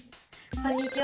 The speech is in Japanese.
こんにちは！